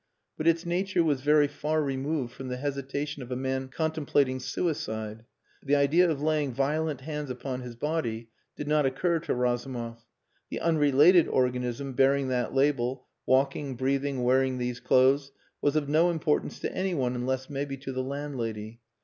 But its nature was very far removed from the hesitation of a man contemplating suicide. The idea of laying violent hands upon his body did not occur to Razumov. The unrelated organism bearing that label, walking, breathing, wearing these clothes, was of no importance to anyone, unless maybe to the landlady.